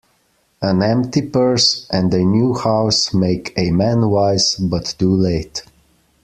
An empty purse, and a new house, make a man wise, but too late.